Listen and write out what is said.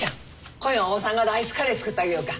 今夜はおばさんがライスカレー作ってあげようか。